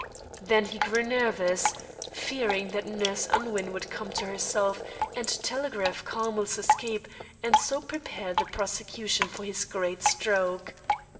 Then he grew nervous, fearing that Nurse Unwin would come to herself and telegraph Carmel's escape, and so prepare the prosecution for his great stroke.